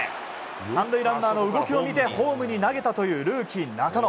３塁ランナーの動きを見てホームに投げたというルーキー中野。